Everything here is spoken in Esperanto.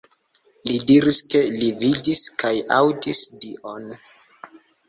Li diris ke li vidis kaj aŭdis Dion.